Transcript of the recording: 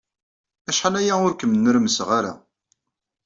Acḥal aya ur kem-nnermseɣ ara.